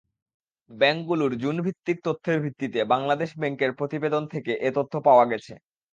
ব্যাংকগুলোর জুনভিত্তিক তথ্যের ভিত্তিতে বাংলাদেশ ব্যাংকের প্রতিবেদন থেকে এ তথ্য পাওয়া গেছে।